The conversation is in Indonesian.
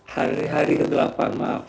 hari hari ke delapan maaf